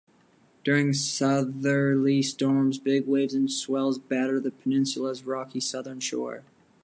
During southerly storms, big waves and swells batter the peninsula's rocky southern shore.